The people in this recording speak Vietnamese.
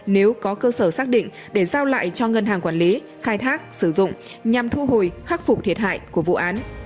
nếu có cơ sở xác định để giao lại cho ngân hàng quản lý khai thác sử dụng nhằm thu hồi khắc phục thiệt hại của vụ án